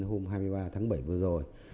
hôm hai mươi ba tháng bảy vừa rồi